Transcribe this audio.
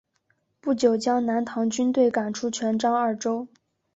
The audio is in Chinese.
不久将南唐军队赶出泉漳二州。